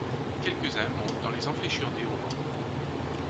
Quelques-uns montent dans les enfléchures des haubans.